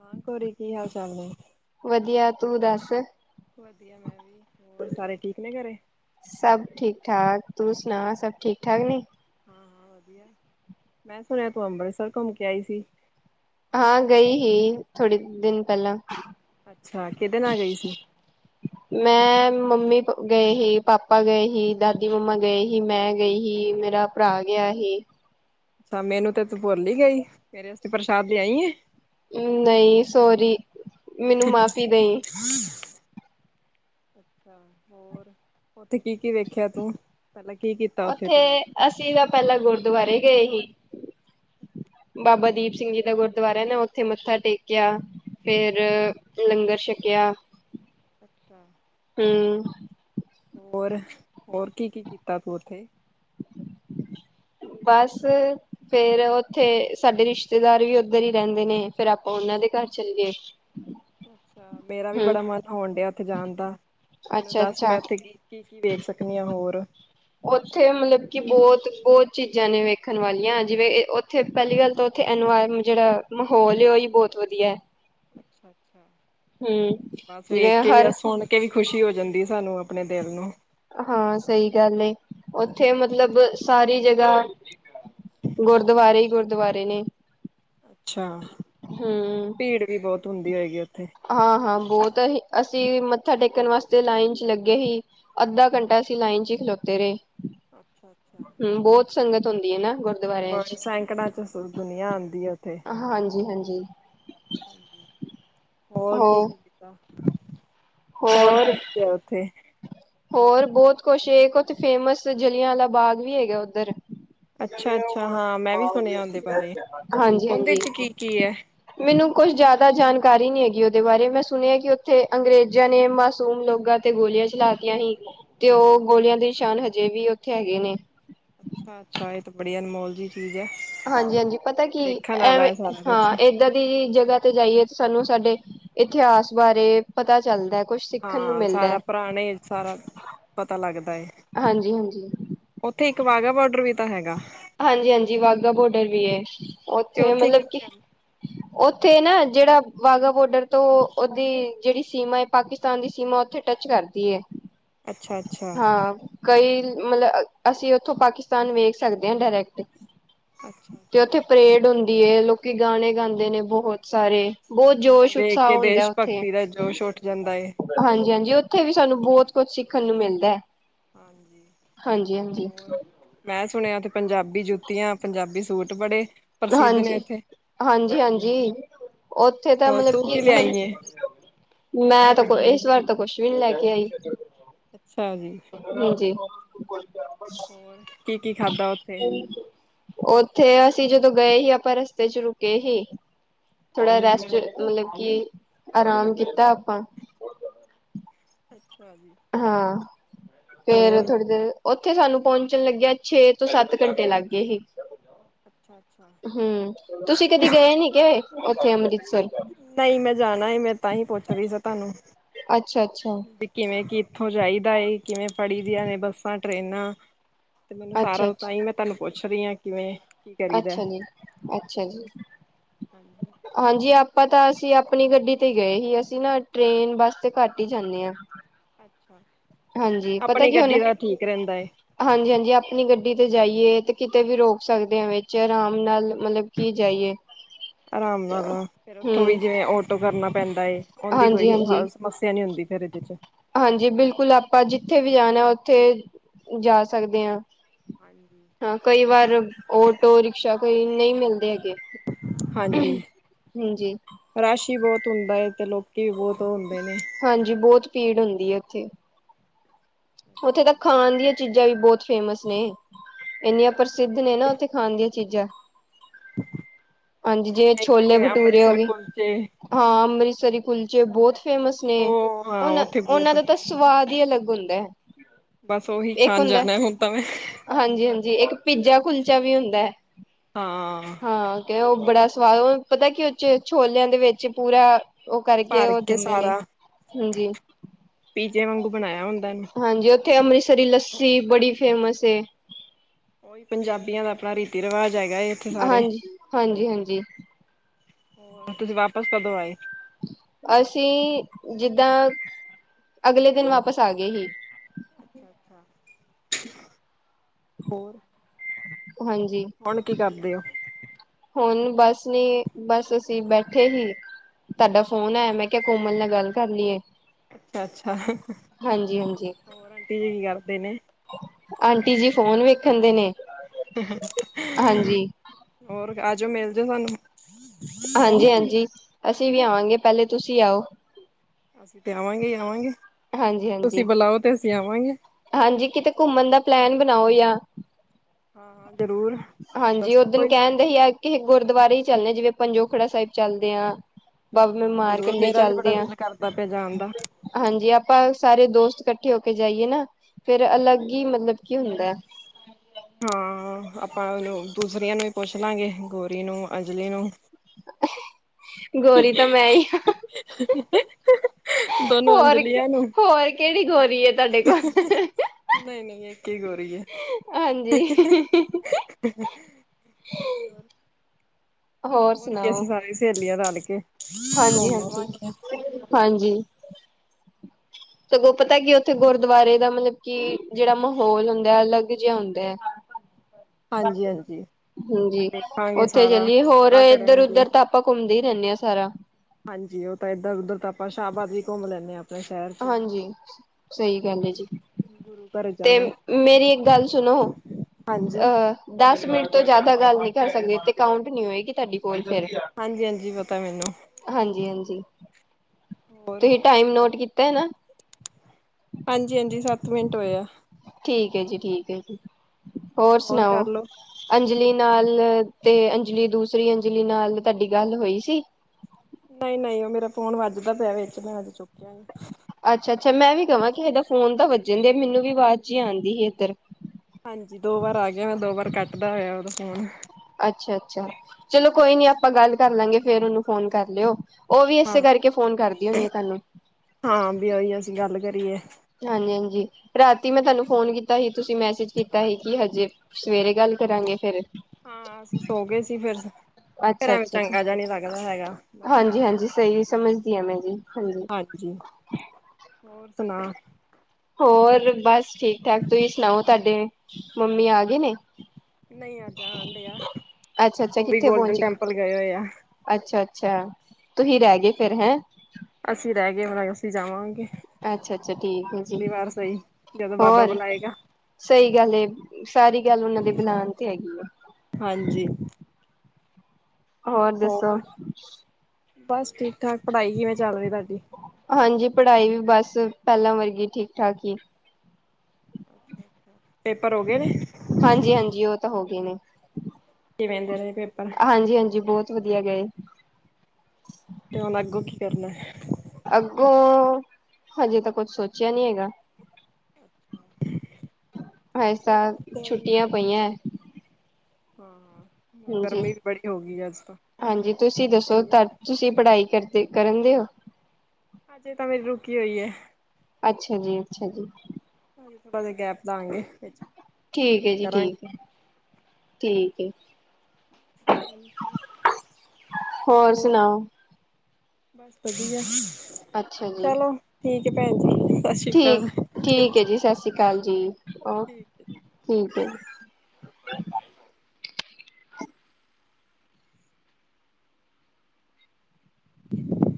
ਹਾਂ ਕੋਰੀ ਕੀ ਹਾਲ ਚਾਲ ਨੇ ਵਧੀਆ ਤੂੰ ਦੱਸ ਵਧੀਆ ਮੈਂ ਵੀ ਹੋਰ ਸਾਰੇ ਠੀਕ ਨੇ ਘਰੇ ਸਭ ਠੀਕ ਠਾਕ ਤੂੰ ਸੁਣਾ ਸਭ ਠੀਕ ਠਾਕ ਨੇ ਵਧੀਆ ਮੈਂ ਸੁਣਿਆ ਤੂੰ ਅੰਬਸਰ ਘੁੰਮ ਕੇ ਆਈ ਸੀ ਹਾਂ ਗਈ ਹੀ ਥੋੜੇ ਦਿਨ ਪਹਿਲਾਂ ਅੱਛਾ ਕਿਹਦੇ ਨਾਲ ਗਈ ਸੀ ਮੈਂ ਮੰਮੀ ਗਏ ਹੀ ਪਾਪਾ ਗਏ ਹੀ ਦਾਦੀ ਮੰਮਾ ਗਏ ਹੀ ਮੈਂ ਗਈ ਹੀ ਮੇਰਾ ਭਰਾ ਗਿਆ ਹੀ ਅੱਛਾ ਮੈਨੂੰ ਤੇ ਭੁੱਲ ਗਈ ਮੇਰੇ ਅਸੀਂ ਪ੍ਰਸ਼ਾਦ ਲਿਆਈ ਨਹੀਂ ਸੋਰੀ ਮੈਨੂੰ ਮਾਫ਼ੀ ਦਈ ਅੱਛਾ ਹੋਰ ਉੱਥੇ ਕੀ-ਕੀ ਵੇਖਿਆ ਤੂੰ? ਪਹਿਲਾਂ ਕੀ ਕੀਤਾ ਉੱਥੇ ਤੂੰ ਜਾ ਕੇ? ਅਸੀਂ ਤਾਂ ਪਹਿਲਾਂ ਗੁਰਦੁਆਰੇ ਗਏ ਸੀ ਬਾਬਾ ਦੀਪ ਸਿੰਘ ਜੀ ਦਾ ਗੁਰਦੁਆਰਾ ਨਾ ਉੱਥੇ ਮੱਥਾ ਟੇਕਿਆ ਫੇਿਰ ਲੰਗਰ ਛਕਿਆ ਅੱਛਾ ਹਮ ਹੋਰ ਹੋਰ ਕੀ ਕੀ ਕੀਤਾ ਤੂੰ ਉੱਥੇ ਬਸ ਫੇਰ ਉੱਥੇ ਸਾਡੇ ਰਿਸ਼ਤੇਦਾਰ ਵੀ ਉੱਧਰ ਹੀ ਰਹਿੰਦੇ ਨੇ ਫੇਰ ਆਪਾਂ ਉਹਨਾਂ ਦੇ ਘਰ ਚਲੀਏ ਅੱਛਾ ਮੇਰਾ ਵੀ ਬੜਾ ਮਨ ਹੋਣ ਡਿਆ ਜਾਣ ਦਾ। ਮੈਨੂੰ ਅੱਛਾ- ਦੱਸ ਮੈਂ ਅੱਛਾ। ਉੱਥੇ ਕੀ-ਕੀ ਵੇਖ ਸਕਨੀ ਆ ਹੋਰ? ਉੱਥੇ ਉੱਥੇ ਦੀਆਂ ਮਤਲਬ ਕਿ ਜਗ੍ਹਾਵਾਂ। ਬਹੁਤ- ਬਹੁਤ ਚੀਜ਼ਾਂ ਨੇ, ਵੇਖਣ ਵਾਲੀਆਂ। ਜਿਵੇ, ਉੱਥੇ ਪਹਿਲੀ ਗੱਲ ਤਾਂ ਉੱਥੇ ਇਨਵਾਇਰਮੈਂਟ ਜਿਹੜਾ, ਮਾਹੌਲ ਹੈ ਉਹਹੀ ਬਹੁਤ ਵਧੀਆ ਹੈ। ਅੱਛਾ- ਅੱਛਾ। ਬਸ ਵੇਖ ਜਿਵੇਂ ਕੇ ਆ, ਯਾ ਹਰ ਸੁਣ ਕੇ ਵੀ ਖੁਸ਼ੀ ਹੋ ਜਾਂਦੀ ਸਾਨੂੰ, ਆ ਆਪਣੇ ਦਿਲ ਨੂੰ। ਹਾਂ, ਸਹੀ ਗੱਲ ਉੱਥੇ ਮਤਲਬ, ਸਾਰੀ ਜਗਾ ਗੁਰਦੁਆਰੇ ਹੀ ਗੁਰਦੁਆਰੇ ਨੇ। ਅੱਛਾ। ਭੀੜ ਵੀ ਬਹੁਤ ਹੁੰਦੀ। ਹੈਗੀ। ਹਾਂ- ਹਾਂ। ਬਹੁਤ, ਹੀ ਅਸੀਂ ਮੱਥਾ ਟੇਕਣ ਵਾਸਤੇ ਲਾਈਨ ਚ ਲੱਗੇ ਹੀ, ਅੱਧਾ ਘੰਟਾ ਅਸੀਂ ਲਾਈਨ ਚ ਹੀ ਖਲੋਤੇ ਰਹੇ। ਅੱਛਾ- ਅੱਛਾ। ਹੂੰ ਬਹੁਤ ਸੰਗਤ ਹੁੰ। ਉਥੇ ਸੈਂਕੜਾਂ ਚ ਸੁ ਦੁਨੀਆਂ ਆਉਂਦੀ ਆਂਦੀ ਪਈ। ਹਾਂਜੀ-ਹਾਂਜੀ ਹੋਰ ਕੀ, ਹੋ ਕੀ ਕੀਤਾ ਹੋਰ ਕੀ ਹੈ ਉੱਥੇ? ਹੋਰ, ਬਹੁਤ ਕੁਛ ਇੱਕ ਉੱਥੇ ਫੇਮਸ ਜਲਿਆਂ ਵਾਲਾ ਬਾਗ ਵੀ ਹੈਗਾ। ਉੱਧਰ। ਅੱਛਾ-ਅੱਛਾ ਹਾਂ ਮੈਂ ਵੀ ਸੁਣਿਆ ਉਹਦੇ ਬਾਰੇ ਹਾਂਜੀ- ਉਹਦੇ ਹਾਂਜੀ, ਚ ਕੀ ਕੀ ਹੈ? ਮੈਨੂੰ ਕੁਛ ਜਿਆਦਾ ਜਾਣਕਾਰੀ ਨੀ ਹੈਗੀੇ। ਦੇ ਬਾਰੇ ਮੈਂ ਸੁਣਿਆ, ਕਿ ਉੱਥੇ ਅੰਗਰੇਜ਼ਾਂ ਨੇ ਮਾਸੂਮ ਲੋਕਾਂ ਤੇ ਗੋਲੀਆਂ ਚਲਾ ਕੇ ਹੀ। ਤੇ, ਉਹ ਗੋਲੀਆਂ ਦੇ ਨਿਸ਼ਾਨ ਜੇ ਵੀ ਉੱਥੇ ਹੈਗੇ ਨੇ। ਅੱਛਾ- ਅੱਛਾ, ਇਹ ਤੇ ਬੜੀਆ ਅਨਮੋਲ ਜੀ ਹਾਂਜੀ- ਹਾਂਜੀ, ਪਤਾ ਕੀ, ਵਾਲਾ ਐਵੇਂ ਹੈ ਸਾਰਾ ਕੁਛ। ਹਾਂ ਇਏਦਾਂ ਦੀ ਜਗਾ ਤੇ ਜਾਈਏ, ਤੇ ਸਾਨੂੰ ਸਾਡੇ ਇਤਿਹਾਸ ਬਾਰੇ ਪਤਾ ਚੱਲਦਾ। ਕੁਛ ਸਿੱਖਣ ਨੂੰ ਹਾਂ, ਮਿਲਦਾ ਹੈ ਸਾਰਾ ਪੁਰਾਣੇ, ਸਾਰਾ ਪਤਾ ਲੱਗਦਾ ਹੈ। ਹਾਂਜੀ-ਹਾਂਜੀ। ਉੱਥੇ ਇੱਕ ਵਾਹਗਾ ਬੋਡਰ ਵੀ ਤਾਂ ਹੈਗਾ। ਹਾਂਜੀ- ਹਾਂਜੀ, ਵਾਹਗਾ ਬੋਡਰ ਵੀ ਹੈ। ਤੇ ਉੱਥੇ ਮਤਲਬ ਕਿ, ਕੀ ਉੱਥੇ ਨਾ। ਜਿਹੜਾ ਵਾਹਗਾ ਬੋਡਰ ਤੋਂ, ਉਹਓਦੀ ਜਿਹੜੀ ਸੀਮਾ। ਪਾਕਿਸਤਾਨ ਦੀ ਸੀਮਾ, ਉੱਥੇ ਟੱਚ ਕਰਦੀ ਹੈ। ਅੱਛਾ-ਅੱਛਾ, ਹਾਂ। ਕਈ ਮਤਲਬ ਅਸੀਂ ਉੱਥੋਂ ਪਾਕਿਸਤਾਨ ਵੇਖ ਸਕਦੇ ਹਾਂ ਡਾਇਰੈਕਟ। ਤੇ ਉੱਥੇ ਅੱਛਾ-ਅੱਛਾ ਪਰੇਡ ਹੁੰਦੀ ਹੈ। ਲੋਕੀ ਗਾਣੇ ਸ਼ਾਮੀ ਗਾਉਂਦੇ ਨੇ ਬਹੁਤ। ਸਾਰੇ ਬਹੁਤ ਉਹਨਾਂ ਜੋਸ਼ ਵੇਖ ਉਤਸ਼ਾਹ ਕੇ ਹੁੰਦਾ ਦੇਸ਼ ਉੱਥੇ। ਭਗਤੀ ਦਾ ਜੋਸ਼ ਉੱਠ ਜਾਂਦਾ ਏ। ਹਾਂਜੀ- ਹਾਂਜੀ, ਉੱਥੇ ਵੀ ਸਾਨੂੰ ਬਹੁਤ ਕੁਛ ਸਿੱਖ ਦੇਖਣ ਨੂੰ ਮਿਲਦਾ। ਹਾਂਜੀ ਹਾਂਜੀ ਹਾਂਜੀ ਹੋਰ ਮੈਂ ਸੁਣਿਆ ਅਤੇ ਪੰਜਾਬੀ ਜੁੱਤੀਆਂ ਪੰਜਾਬੀ ਸੂਟ ਬੜੇ ਪ੍ਰਸਿੱਧ ਨੇ ਹਾਂਜੀ ਉੱਥੇ। ਹਾਂਜੀ ਹਾਂਜੀ ਉੱਥੇ ਤਾਂ ਹੋਰ ਮਤਲਬ ਤੂੰ ਕੀ ਕਿ ਲਿਆਈ ਏ? ਹੁਣ ਮੈਂ ਤਾਂ ਇਸ ਵਾਰ ਤਾਂ ਕੁਛ ਵੀ ਨਹੀਂੀ ਲੈ ਕੇ ਆਈ ਅੱਛਾ ਜੀ [unintelligible] ਹੋਰ ਕੀ ਕੀ ਖਾਧਾ ਉੱਥੇ ਉੱਥੇ ਅ ਜਦੋਂ ਗਏ ਹੀ ਆਪਾਂ ਰਸਤੇ ਚ ਰੁਕੇ ਹੀ ਥੋੜਾ ਰਾਸ਼ ਮਤਲਬ ਕਿ ਆਰਾਮ ਕੀਤਾ ਆਪਾਂ ਅੱਛਾ ਜੀ, ਹਾਂ ਫੇਰ ਹੋਰ ਥੋੜੀ ਦੇਰ ਉੱਥੇ ਸਾਨੂੰ ਪਹੁੰਚਣ ਲੱਗਿਆ ਛੇ ਤੋਂ ਸੱਤ ਘੰਟੇ ਲੱਗ ਗਏ ਸੀ ਅੱਛਾ ਹਮ ਤੁਸੀਂ ਕਦੇ ਗਏ ਨੀ ਕਿਵੇਂ ਉੱਥੇ [unintelligible] ਨਹੀਂ ਮੈਂ ਜਾਣਾ ਮੈਂ ਤਾਂ ਹੀ ਪੁੱਛ ਰਹੀ ਸੀ ਤੁਹਾਨੂੰ ਅੱਛਾ ਅੱਛਾ। ਤੇ ਕਿੱਥੋਂ ਜਾਈਦਾ ਹੈ ਕਿਵੇਂ ਫੜੀ ਦੀਆਂ ਨੇ ਬੱਸਾਂ, ਟਰੇਨਾਂ? ਤੇ ਮੈਨੂੰ ਅੱਛਾ ਸਾਰਾ ਅੱਛਾ ਤਾਂ ਹੀ ਮੈਂ ਤੁਹਾਨੂੰ ਪੁੱਛ? ਪੁੱਛ ਰਹੀਆਂ ਕਿਵੇਂ? ਕੀ ਕਰੀਦਾ। ਅੱਛਾ ਜੀ ਅੱਛਾ ਜੀ ਹਾਂਜੀ ਹਾਂਜੀ ਆਪ। ਪਤਾ ਅਸੀਂ ਆਪਣੀ ਗੱਡੀ ਤੇ ਗਏ ਹੀ ਅਸੀਂ ਨਾ ਟ੍ਰੇਨ ਬੱਸ ਤੇ ਘੱਟ ਹੀ ਜਾਂਦੇ ਹਾਂ। ਅੱਛਾ। ਹਾਂਜੀ ਪਤਾ ਆਪਣੀ ਕਿ ਗੱਡੀ ਹੁਣ ਦਾ ਠੀਕ ਰਹਿੰਦਾ ਏ ਹਾਂਜੀ ਹਾਂਜੀ ਆਪਣੀ ਗੱਡੀ। ਗੱਡੀ ਤੇ ਜਾਈਏ ਤੇ ਕਿਤੇ ਵੀ ਰੋਕ ਸਕਦੇ ਹਾਂ ਵਿੱਚ ਆਰਾਮ ਨਾਲ ਮਤਲਬ ਕੀ ਜਾਈਏ? ਆਰਾਮ ਨਾਲ ਫਿਰ ਉੱਥੋਂ ਵੀ ਹੂੰ ਜਿਵੇਂ ਆਟੋ ਕਰਨਾ ਪੈਂਦਾ ਹੈ ਉਹਦੀ ਕੋਈ ਹਾਂਜੀ-ਹਾਂਜੀ। ਹਾਂਜੀ ਸਮੱਸਿਆ ਨੀ ਹੁੰਦੀ ਫਿਰ। 'ਵਿੱਚ। ਹਾਂਜੀ ਬਿਲਕੁਲ ਆਪਾਂ ਜਿੱਥੇ ਵੀ ਜਾਣਾ ਉੱਥੇ ਜਾ ਸਕਦੇ ਹਾਂ। ਹਾਂਜੀ। ਹਾਂ ਕਈ ਵਾਰ। ਓਟੋ ਰਿਕਸ਼ਾ ਕੋਈ ਨਹੀਂ ਮਿਲਦਾ। ਮਿਲਦੇ ਹੈਗੇ ਹਾਂਜੀ ਹਾਂਜੀ। ਰਸ਼ ਹੀ ਬਹੁਤ ਹੁੰਦਾ ਏ ਤੇ ਲੋਕ। ਅੱਗੇ ਬਹੁਤ ਉਹ ਹੁੰਦੇ ਨੇ। ਪੀੜ ਹੁੰਦੀ ਹੈ ਉੱਥੇ? ਉੱਥੇ ਅੱਛਾ ਤਾਂ ਜੀ। ਖਾਣ ਦੀਆਂ ਚੀਜ਼ਾਂ ਵੀ ਬਹੁਤ ਫੇਮਸ ਨੇ। ਇੰਨੀਆਂ ਪ੍ਰਸਿੱਧ ਨੇ ਨਾ ਉੱਥੇ ਖਾਣ ਦੀਆਂ ਚੀਜ਼ਾਂ। ਹੂੰ। ਹਾਂਜੀ ਜਿਵੇ ਛੋਲੇ ਭਟੂਰੇ ਹੋ ਗਏ ਕੁਲਚੇ ਹਾਂ। ਅੰਮ੍ਰਿਤਸਰੀ ਕੁਲਚੇ ਬਹੁਤ। ਫੇਮਸ ਨੇ ਉਹ ਹਾਂ ਉਹਨਾਂ ਉੱਥੇ ਉਹਨਾਂ ਬਹੁਤ ਦਾ ਤਾਂ ਪ੍ਰਸਿੱਧ ਨੇ। ਸਵਾਦ ਹੀ ਅਲੱਗ ਹੁੰਦਾ ਹੈ। ਬਸ ਉਹੀ ਇੱਕ ਖਾਣ ਹੁੰਦਾ ਜਾਣਾ ਹੁਣ ਤਾਂ ਮੈਂ ਹਾਂਜੀ ਹਾਂਜੀ ਇੱਕ ਪੀਜਾ ਕੁਲਚਾ। ਕੱਚਾ ਵੀ ਹੁੰਦਾ। ਹਾਂ। ਹਾਂ ਕਿ ਉਹ ਬੜਾ ਸਵਾਦ ਉਹਨੂੰ ਪਤਾ ਕੀ ਉਹ 'ਚ ਛੋਲਿਆਂ ਦੇ ਵਿੱਚ ਪੂਰਾ? ਉਹ ਕਰਕੇ ਭਰ ਉਹ ਕੇ ਦਿੰਦੇ ਨੇ ਸਾਰਾ ਹਾਂਜੀ। ਪੀਜੇ ਵਾਂਗੂੰ ਬਣਾਇਆ ਹੁੰਦਾ। ਇਹਨੂੰ ਹਾਂਜੀ ਉੱਥੇ ਅੰਮ੍ਰਿਤਸਰੀ ਲੱਸੀ ਬੜੀ। ਫੇਮਸ ਹੈ। ਉਹੀ ਪੰਜਾਬੀਆਂ ਦਾ ਆਪਣਾ ਰੀਤੀ ਰਿਵਾਜ। ਹੈਗਾ ਏ ਇੱਥੇ ਸਾਰੇ ਹਾਂਜੀ ਹਾਂਜੀ ਹਾਂਜੀ। ਹੋਰ ਤੁਸੀਂ ਵਾਪਸ ਕਦੋਂ ਆਏ? ਅਸੀਂ ਜਿੱਦਾਂ ਅਗਲੇ ਦਿਨ ਵਾਪਿਸ ਆ ਗਏ ਹੀ। ਅੱਛਾ ਅੱਛਾ ਹੋਰ? ਹਾਂਜੀ ਹੁਣ ਕੀ ਕਰਦੇ ਹੋ ਹੁਣ ਬਸ ਨੀ ਬਸ ਅਸੀਂ ਬੈਠੇ ਹੀ ਤੁਹਾਡਾ ਫੋਨ ਆਇਆ ਮੈਂ ਕਿਹਾ ਕੋਮਲ ਨਾਲ ਗੱਲ ਕਰ ਲਈਏ ਅੱਛਾ-ਅੱਛਾ, ਹਾਂਜੀ ਹਾਂਜੀ ਹੋਰ ਆਂਟੀ ਜੀ ਕੀ ਕਰਦੇ ਦਿਨ ਆਂਟੀ ਜੀ ਫੋਨ ਵੇਖਣ ਦੇ ਨੇ ਹਾਂਜੀ। ਹੋਰ ਆਜੋ ਮਿਲ ਜੋ ਸਾਨੂੰ ਹਾਂਜੀ-ਹਾਂਜੀ। ਅਸੀਂ ਵੀ ਆਵਾਂਗੇ ਪਹਿਲੇ ਤੁਸੀਂ ਆਓ ਅਸੀਂ ਤੇ ਆਵਾਂਗੇ ਹੀ ਆਵਾਂਗੇ ਹਾਂਜੀ ਤੁਸੀਂ ਹਾਂਜੀ ਬੁਲਾਓ ਤੇ ਪਿਆਵਾਂਗੇ ਹਾਂਜੀ ਕਿਤੇ ਘੁੰਮਣ ਦਾ ਪਲੈਨ ਬਣਾਓ ਜਾਂ ਹਾਂ ਹਾਂ। ਜ਼ਰੂਰ ਹਾਂਜੀ ਉਹ ਦੱਸੋ ਦਿਨ ਕੋਈ ਕਹਿਣਿੰਦੇ ਹੀ ਆ ਇਹ ਗੁਰਦੁਆਰੇ ਹੀ ਚੱਲਣੇ ਜਿਵੇਂ ਪੰਜੋਖੜਾ ਸਾਹਿਬ ਚੱਲਦੇ ਆ ਹਾਂ ਬਾਬਾ ਹਾਂ ਮਾਰ ਜ਼ਰੂਰ ਕੰਢੇ ਮੇਰਾ ਵੀ ਬੜਾ ਚੱਲਦੇ ਹਾਂ, ਦਿਲ ਕਰਦਾ ਪਿਆ ਜਾਣ ਦਾ। ਹਾਂਜੀ ਆਪਾਂ ਸਾਰੇ ਦੋਸਤ ਕਠੇ ਇਕੱਠੇ ਹੋ ਕੇ ਜਾਈਏ ਨਾ ਫਿਰ ਅਲੱਗ ਹੀ ਮਤਲਬ ਕੀ ਹੁੰਦਾ ਹਾਂ ਆਪਾਂ ਉਹਨੂੰ ਦੂਸਰੀਆਂ ਨੂੰ ਵੀ ਪੁੱਛ ਲਾਂਗੇ ਗੋਰੀ ਨੂੰ ਅੰਜਲੀ ਨੂੰ [inaudible] ਗੋਰੀ ਤਾਂ ਮੈਂ ਹੀ ਹਾਂ ਦੋਨੋ ਅੰਜਲੀਆਂ ਨੂੰ ਹੋਰ-ਹੋਰ ਕਿਹੜੀ ਗੋਰੀ ਹੈ ਤੁਹਾਡੇ ਕੋਲ ਕੀ ਗੋਰੀ ਹੈ, ਹਾਂਜੀ ਹੋਰ ਹੋਰ ਕੀ ਅਸੀਂ ਸਾਰੇ ਸਹੇਲੀਆਂ ਰਲ ਕੇ ਕੇ ਹਾਂਜੀ-ਹਾਂਜੀ, ਹਾਂਜੀ ਸਗੋਂ ਪਤਾ ਕੀ ਉੱਥੇ ਗੁਰਦੁਆਰੇ ਦਾ ਮਤਲਬ ਕਿ ਜਿਹੜਾ ਮਾਹੌਲ ਹੁੰਦਾ ਹੈ ਅਲੱਗ ਜਿਹਾ ਹੁੰਦਾ ਹੈ। ਹਾਂਜੀ ਹਾਂਜੀ ਉੱਥੇ ਹਾਂਜੀ ਵੇਖਾਂਗੇ ਉੱਥੇ ਸਾਰਾ ਚਲੀਏ ਹੋਰ ਸੇਵਾ ਏਧਰ ਕਰਾਂਗੇ ਉਧਰ ਤਾਂ ਆਪਾਂ ਘੁੰਮਦੇ ਹੀ ਰਹਿੰਦੇ ਹਾਂ ਸਾਰਾ ਹਾਂਜੀ ਉਹ ਤਾਂ ਇੱਧਰ -ਉੱਧਰ ਤਾਂ ਆਪਾਂ ਸ਼ਾਹਬਾਦ ਵੀ ਘੁੰਮ ਲੈਂਦੇ ਹਾਂ। ਆਪਣੇ ਸ਼ਹਿਰ ਚ ਹੀ। ਹਾਂਜੀ ਸਹੀ ਗੱਲ ਹੈ ਜੀ ਗੁਰੂ ਘਰ ਤੇ ਜਾਣਾ ਮੇਰੀ ਇੱਕ ਗੱਲ ਸੁਣੋ ਹਾਂਜੀ ਅਹ ਦਸ ਮਿੰਟ ਤੋਂ ਜ਼ਿਆਦਾ ਗੱਲ ਨਹੀਂ ਕਰ ਸਕਦੇ, ਤੇ ਕਾਊਂਟ ਨਹੀਂ ਹੋਏਗੀ ਤੁਹਾਡੀ ਕੋਲ। ਹਾਂਜੀ-ਹਾਂਜੀ ਪਤਾ ਮੈਨੂੰ ਹਾਂਜੀ-ਹਾਂਜੀ ਹੋਰ ਤੁਸੀਂ ਟਾਈਮ ਨੋਟ ਕੀ [unintelligible] ਹਾਂਜੀ ਹਾਂਜੀ ਸੱਤ ਮਿੰਟ ਹੋਏਆ ਠੀਕ ਹੈ ਜੀ ਠੀਕ ਹੈ ਜੀ ਹੋਰ ਸੁਣਾਓ ਅੰਜਲੀ ਨਾਲ ਤੇ ਅੰਜਲੀ ਦੂਸਰੀ ਅੰਜਲੀ ਨਾਲ ਤੁਹਾਡੀ ਗੱਲ ਹੋਈ ਸੀ ਨਹੀਂ ਨਹੀਂ ਉਹ ਮੇਰਾ ਫੋਨ ਵੱਜਦਾ ਪਿਆ ਵ ਮੈਂ ਅੱਜ ਚੁੱਕ [unintelligible] ਅੱਛਾ ਮੈਂ ਵੀ ਕਹਾਂ ਕਿਸੇ ਦਾ ਫੋਨ ਤਾਂ ਵੱਜਣ ਦੇ ਆ ਮੈਨੂੰ ਵੀ ਬਾਅਦ ਚ ਹੀ ਆਉਂਦੀ ਸੀ ਇੱਧਰ ਹਾਂਜੀ ਦੋ ਵਾਰ ਆ ਗਿਆ ਮੈਂ ਦੋ ਵਾਰ ਕੱਟਦਾ ਹੋਇਆ ਉਹਦਾ ਫੋਨ ਅੱਛਾ ਅੱਛਾ ਚਲੋ ਕੋਈ ਨੀ ਆਪਾਂ ਗੱਲ ਕਰ ਲਾਂਗੇ ਫੇਰ ਉਹਨੂੰ ਫੋਨ ਕਰ ਲਿਓ ਉਹ ਵੀ ਹਾਂ ਇਸੇ ਕਰਕੇ ਫੋਨ ਕਰਦੀ ਹੋੁੰਦੀ ਤੁਹਾਨੂੰ ਹਾਂ ਵੀ ਉਹੀ ਅਸੀਂ ਗੱਲ ਕਰੀਏ ਹਾਂਜੀ ਹਾਂਜੀ ਰਾਤੀ ਮੈਂ ਤੁਹਾਨੂੰ ਫੋਨ ਕੀਤਾ ਸੀ ਤੁਸੀਂ ਮੈਸੇਜ ਕੀਤਾ ਸੀ ਕਿ ਹਜੇ ਸਵੇਰੇ ਗੱਲ ਕਰਾਂਗੇ ਫੇਿਰ ਹਾਂ ਅਸੀਂ ਸੋ ਗਏ ਸੀ ਫਿਰ ਘਰ ਐਵੇਂ ਅੱਛਾ-ਅੱਛਾ ਜੀ ਚੰਗਾ ਜਿਹਾ ਨਹੀਂੀ ਲੱਗਦਾ ਹੈਗਾ ਨਾਲ ਹਾਂਜੀ-ਹਾਂਜੀ ਸਹੀ ਸਮਝਦੀ ਆ ਮੈਂ ਜੀ ਹਾਂਜੀ ਹੋਰ ਸੁਣਾ ਹੋਰ ਬਸ ਠੀਕ ਠਾਕ ਤੁਸੀਂ ਸੁਣਾਓ। ਤੁਹਾਡੇ ਮੰਮੀ ਆ ਆ ਗਏ ਨੇ ਨਹੀਂ ਅੱਜ ਆਣ ਡਿਆ ਅੱਛਾ ਅੱਛਾ ਉਹ ਵੀ ਕਿੱਥੇ ਗੋਲਡਨ ਪਹੁੰਚੇ ਟੈਂਪਲ ਗਏ ਹੋਏ ਆ। ਅੱਛਾ ਅੱਛਾ ਤੁਸੀਂ ਰਹਿ ਗਏ ਫਿਰ ਹੈਂ? ਅਸੀਂ ਰਹਿ ਗਏ ਹੁਣ ਅਸੀਂ ਜਾਵਾਂਗੇ। ਅੱਛਾ ਅੱਛਾ ਠੀਕ ਹੈ ਜੀ ਅਗਲੀ ਵਾਰ ਸਹੀ ਜਦੋਂ ਬਾਬਾ ਹੋਰ ਬੁਲਾਏਗਾ। ਸਹੀ ਗੱਲ ਏ। ਸਾਰੀ ਗੱਲ ਉਹਨਾਂ ਦੇ ਬਣਾਉਣ ਤੇ ਹੈਗੀ ਆ। ਹਾਂਜੀ। ਹੋਰ ਦੱਸੋ? ਬਸ ਠੀਕ ਠਾਕ ਪੜ੍ਹਾਈ ਕਿਵੇਂ ਚੱਲ ਚੱਲ ਤੁਹਾਡੀ? ਸ ਪਹਿਲਾਂ ਵਰਗੀ ਠੀਕ ਠਾਕ ਹੀ ਪੇਪਰ ਹੋ ਗਏ ਨੇ ਹਾਂਜੀ ਹਾਂਜੀ ਉਹ ਤਾਂ ਹੋ ਗਏ। ਕਿਵੇਂ? ਕਿਵੇਂ ਦੇ ਰਹੇ ਪੇਪਰ ਹਾਂਜੀ ਹਾਂਜੀ ਬਹੁਤ ਵਧੀਆ ਗਏ। ਤੇ ਹੁਣ ਅੱਗੋਂ ਕੀ ਕਰਨਾ? ਅੱਗੋਂ ਹਜੇ ਤਾਂ ਕੁਛ ਸੋਚਿਆ ਨੀ ਹੈਗਾ। ਅੱਛਾ ਆਏ ਸਾਲ ਛੁੱਟੀਆਂ ਪਈਆਂ। ਹੂੰ। ਹਾਂਜੀ ਹਾਂਜੀ ਤੁਸੀਂ ਦੱਸੋ ਇੰਨੀ ਤੁਸੀਂ ਪੜ੍ਹਾਈ? ਕਰਦੇ ਕਰਨ ਦਿਓ? [inaudible] ਹਜੇ ਤਾਂ ਮੈ ਰੁਕੀ ਹੋਈ ਹਾਂ। ਅੱਛਾ ਜੀ ਅੱਛਾ ਜੀ। ਹਜੇ ਥੋੜਾ ਜਿਹਾ ਗੈਪ ਦਵਾਂਗੇ। ਠੀਕ ਹੈ ਜੀ ਠੀਕ ਹੈ ਠੀਕ। ਓਕੇ। ਹਾਂਜੀ ਹੋਰ ਸੁਣਾਓ? ਬਸ ਵਧੀਆ। ਅੱਛਾ ਜੀ। ਤੇ ਭੈਣ ਜੀ। ਸਤਿ ਸ਼੍ਰੀ ਠੀਕ ਅਕਾਲ ਠੀਕ ਹੈ ਜੀ ਸਤਿ ਸ਼੍ਰੀ ਅਕਾਲ ਜੀ ਠੀਕ ਓਕੇ ਠੀਕ ਹੈ ਜੀ। ਹੂੰ।